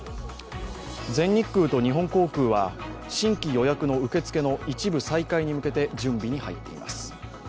全日空と日本航空は、新規予約の受付の一部再開に向けて準備に入っています。